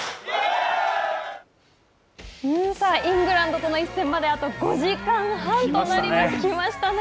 さあ、イングランドとの一戦まで、あと５時間半となりましたね。